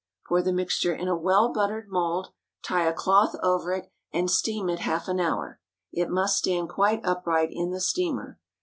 Pour the mixture in a well buttered mould, tie a cloth over it, and steam it half an hour. It must stand quite upright in the steamer.